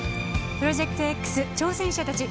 「プロジェクトＸ挑戦者たち」